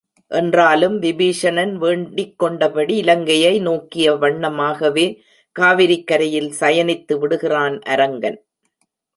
என்றாலும் விபீஷணன் வேண்டிக் கொண்டபடி இலங்கையை நோக்கிய வண்ணமாகவே காவிரிக் கரையில் சயனித்துவிடுகிறான் அரங்கன்.